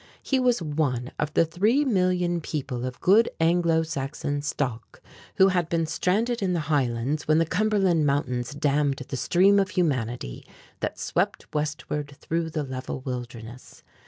He was one of the three million people of good Anglo Saxon stock who had been stranded in the highlands when the Cumberland Mountains dammed the stream of humanity that swept westward through the level wilderness.